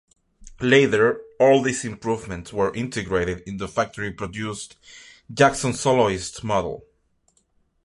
Later all these improvements were integrated in the factory-produced Jackson Soloist model.